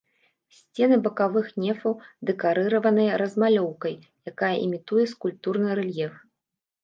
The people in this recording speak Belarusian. Сцены бакавых нефаў дэкарыраваныя размалёўкай, якая імітуе скульптурны рэльеф.